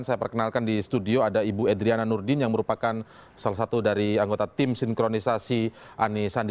saya perkenalkan di studio ada ibu edriana nurdin yang merupakan salah satu dari anggota tim sinkronisasi ani sandi